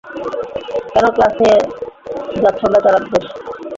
কেন ক্লাস নিয়ে যাচ্ছো বেচারা দের?